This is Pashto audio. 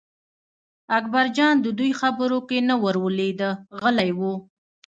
اکبرجان د دوی خبرو کې نه ور لوېده غلی و.